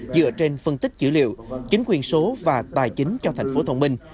dựa trên phân tích dữ liệu chính quyền số và tài chính cho tp thông minh